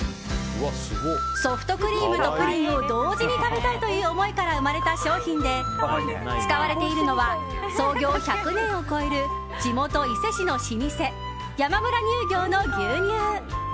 ソフトクリームとプリンを同時に食べたいという思いから生まれた商品で使われているのは創業１００年を超える地元・伊勢市の老舗山村乳業の牛乳。